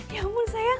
ya allah sayang